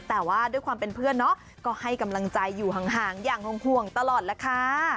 แต่ว่าด้วยความเป็นเพื่อนเนาะก็ให้กำลังใจอยู่ห่างอย่างห่วงตลอดแล้วค่ะ